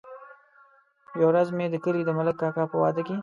يوه ورځ مې د کلي د ملک کاکا په واده کې.